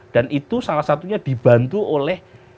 dan itu salah satunya dibantu oleh